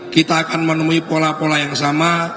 kita akan menemui pola pola yang sama